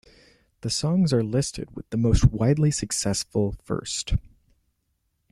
The songs are listed with the most widely successful first.